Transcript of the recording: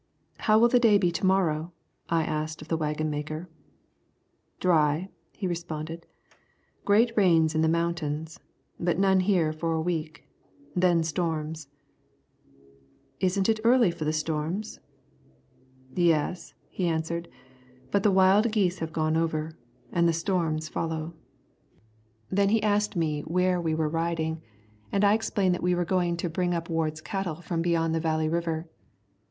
"How will the day be to morrow?" I asked of the waggon maker. "Dry," he responded; "great rains in the mountains, but none here for a week; then storms." "Isn't it early for the storms?" "Yes," he answered; "but the wild geese have gone over, and the storms follow." Then he asked me where we were riding, and I explained that we were going to bring up Ward's cattle from beyond the Valley River.